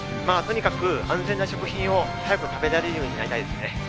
まあとにかく安全な食品を早く食べられるようになりたいですね。